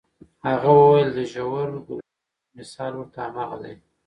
هغه وویل، د ژور ګلابي رنګ مثال ورته هماغه دی.